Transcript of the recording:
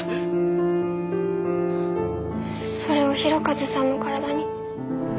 それを弘和さんの体に。